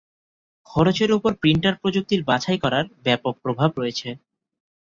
খরচের উপর প্রিন্টার প্রযুক্তির বাছাই করার ব্যাপক প্রভাব রয়েছে।